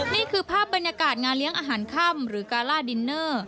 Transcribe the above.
นี่คือภาพบรรยากาศงานเลี้ยงอาหารค่ำหรือกาล่าดินเนอร์